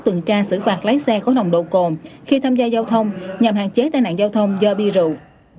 tuần tra xử phạt lái xe khối nồng đậu cồm khi tham gia giao thông nhằm hạn chế tai nạn giao thông do bi rượu